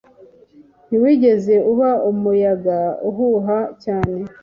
Ntiwigeze uba umuyaga uhuha cyane